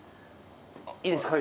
いいですか？